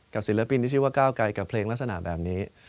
ศิลปินที่ชื่อว่าก้าวไกลกับเพลงลักษณะแบบนี้